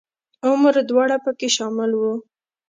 عمره دواړه په کې شامل وو.